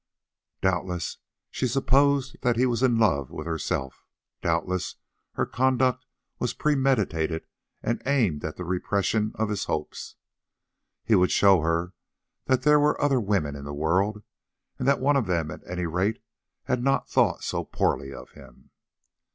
Doubtless she supposed that he was in love with herself, doubtless her conduct was premeditated and aimed at the repression of his hopes. He would show her that there were other women in the world, and that one of them at any rate had not thought so poorly of him.